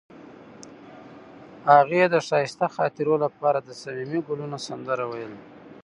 هغې د ښایسته خاطرو لپاره د صمیمي ګلونه سندره ویله.